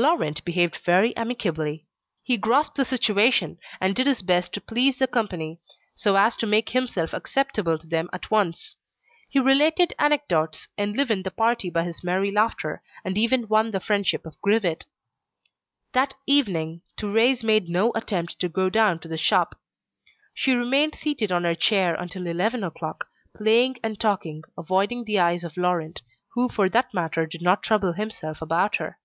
Laurent behaved very amicably. He grasped the situation, and did his best to please the company, so as to make himself acceptable to them at once. He related anecdotes, enlivened the party by his merry laughter, and even won the friendship of Grivet. That evening Thérèse made no attempt to go down to the shop. She remained seated on her chair until eleven o'clock, playing and talking, avoiding the eyes of Laurent, who for that matter did not trouble himself about her.